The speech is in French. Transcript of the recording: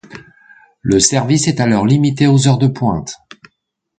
Le service est alors limité aux heures de pointe.